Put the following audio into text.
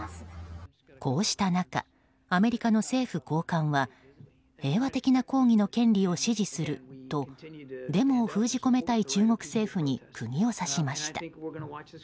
こうした中アメリカの政府高官は平和的な抗議の権利を支持するとデモを封じ込めたい中国政府に釘を刺しました。